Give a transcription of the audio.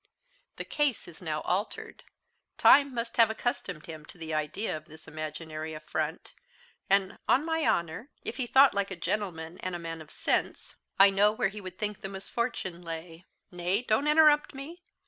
The case is now altered. Time must have accustomed him to the idea of this imaginary affront; and, on my honour, if he thought like a gentleman and a man of sense, I know where he would think the misfortune lay. Nay, don't interrupt me.